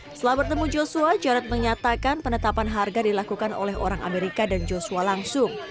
setelah bertemu joshua jarod menyatakan penetapan harga dilakukan oleh orang amerika dan joshua langsung